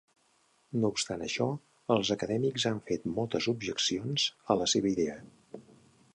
No obstant això, els acadèmics han fet moltes objeccions a la seva idea.